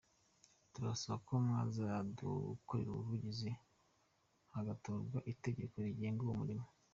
Turasaba ko mwazadukorera ubuvugizi hagatorwa itegeko rigenga uwo murimo.